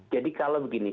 jadi kalau begini